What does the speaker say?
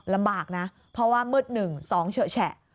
ลำบากนะเพราะว่ามืดหนึ่งสองเฉอะแชะ